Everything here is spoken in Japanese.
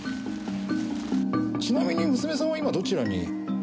ちなみに娘さんは今どちらに？